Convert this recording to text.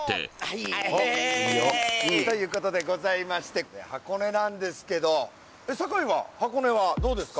イエーイということでございまして箱根なんですけど酒井は箱根はどうですか？